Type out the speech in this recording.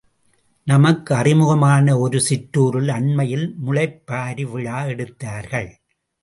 நமக்கு அறிமுகமான ஒரு சிற்றறூரில் அண்மையில் முளைப்பாரி விழா எடுத்தார்கள்!